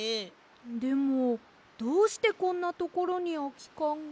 でもどうしてこんなところにあきかんが？